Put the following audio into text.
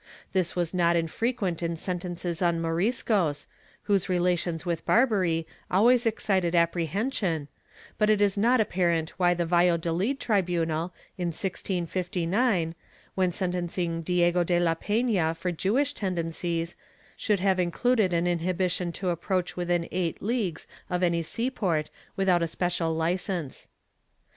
This was not infre quent in sentences on Moriscos, whose relations with Barbary always excited apprehension, but it is not apparent why the Valla dolid tribunal, in 1659, when sentencing Diego de la Pena for Jewish tendencies, should have included an inhibition to approach within eight leagues of any sea port without a special licence.